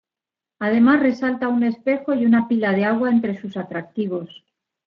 Además resalta un espejo y una pila de agua entre sus atractivos.